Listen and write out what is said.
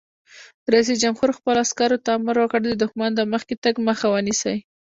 رئیس جمهور خپلو عسکرو ته امر وکړ؛ د دښمن د مخکې تګ مخه ونیسئ!